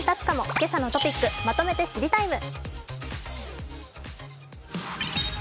「けさのトピックまとめて知りＴＩＭＥ，」。